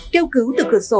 kêu cứu từ cửa sổ